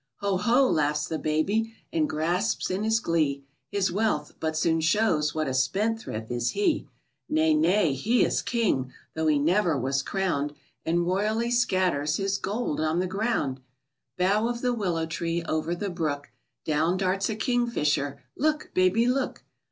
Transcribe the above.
Ho, ho! laughs the baby, and grasps in his glee His wealth, but soon shows what a spend thrift is he! Nay, nay, he is king, though he never was crowned, And royally scatters his gold on the ground! Bough of the willow tree Over the brook, Down darts a kingfisher, Look, baby, look!